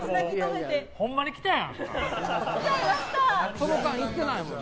その間、行ってないもんね。